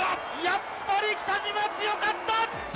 やっぱり北島、強かった！